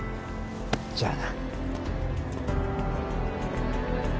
じゃあな。